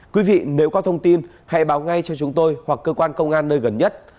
quý vị nếu có thông tin hãy báo ngay cho chúng tôi hoặc cơ quan công an nơi gần nhất